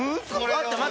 あっ！